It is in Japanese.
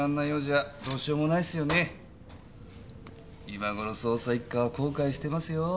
今ごろ一課は後悔してますよ。